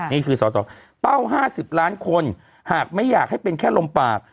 นี่คือสอสอเป้า๕๐ล้านคนหากไม่อยากให้เป็นแค่ลมปาก